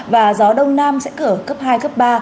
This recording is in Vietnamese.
và gió đông nam sẽ cử cấp hai cấp ba